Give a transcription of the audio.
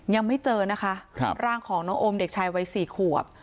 ยังไม่เจอนะคะร่างของน้องโอมเด็กชายวัย๔ขวบ